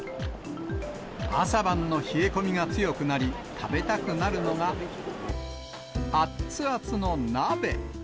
朝晩の冷え込みが強くなり、食べたくなるのが、あっつあつの鍋。